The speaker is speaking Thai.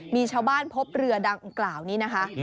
มีชาวบ้านพบเรือดังกล่าวนี้นะคะ